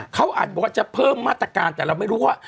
เขาอาจบอกว่าจะเพิ่มมาตรการแต่เราไม่รู้ว่า